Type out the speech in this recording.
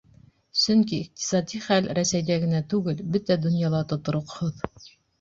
Сөнки иҡтисади хәл Рәсәйҙә генә түгел, бөтә донъяла тотороҡһоҙ.